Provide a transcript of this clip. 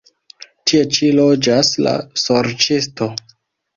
Tie ĉi loĝas la sorĉisto.